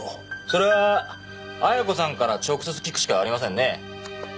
それは亜矢子さんから直接聞くしかありませんね。